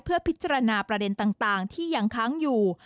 เพื่อพิจารณาประเด็นต่างที่ยังค้างอยู่